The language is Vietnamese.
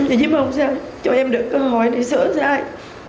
em chỉ mong sao cho em được cơ hội để sửa sai